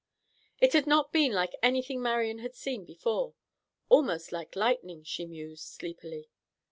It had not been like anything Marian had seen before. "Almost like lightning," she mused, sleepily.